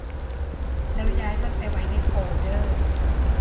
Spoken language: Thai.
แล้วย้ายมันไปไว้ในโฟลเดอร์